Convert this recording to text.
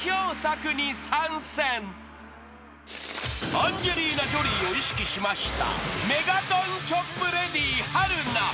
［アンジェリーナ・ジョリーを意識しました］